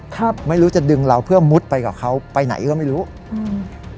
ครับไม่รู้จะดึงเราเพื่อมุดไปกับเขาไปไหนก็ไม่รู้อืม